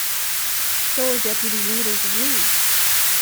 So are deputy leaders of leagues.